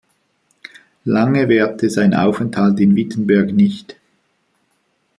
Lange währte sein Aufenthalt in Wittenberg nicht.